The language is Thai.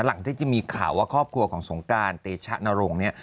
ที่จะมีข่าวว่าครอบครัวของสงการเตชะนรงค์เนี่ย